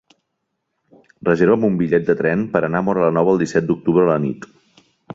Reserva'm un bitllet de tren per anar a Móra la Nova el disset d'octubre a la nit.